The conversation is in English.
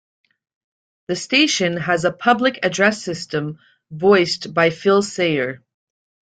The station has a Public Address System voiced by Phil Sayer.